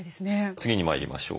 次に参りましょう。